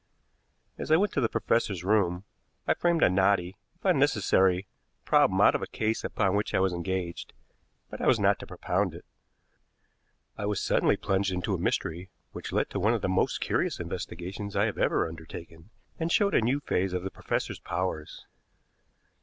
As I went to the professor's room I framed a knotty, if unnecessary, problem out of a case upon which I was engaged; but I was not to propound it. I was suddenly plunged into a mystery which led to one of the most curious investigations I have ever undertaken, and showed a new phase of the professor's powers.